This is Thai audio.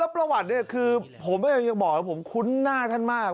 แล้วประวัติคือผมจะบอกผมคุ้นน่าท่านมาก